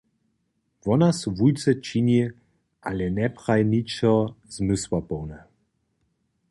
Wona so wulce čini, ale njepraji ničo zmysłapołne.